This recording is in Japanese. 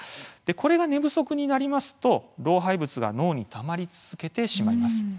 寝不足になりますと老廃物が脳にたまり続けてしまいます。